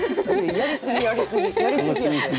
やりすぎやりすぎやて。